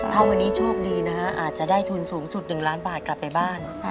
ถ้าวันนี้โชคดีนะฮะอาจจะได้ทุนสูงสุด๑ล้านบาทกลับไปบ้าน